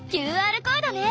ＱＲコードね。